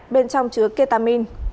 bên trong chứa ketamin